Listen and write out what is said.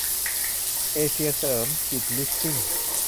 เอเซียเสริมกิจลีสซิ่ง